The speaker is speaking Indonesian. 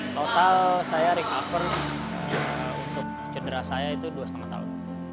total saya recover untuk cedera saya itu dua lima tahun